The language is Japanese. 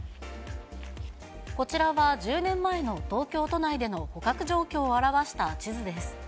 こちらは１０年前の東京都内での捕獲状況を表した地図です。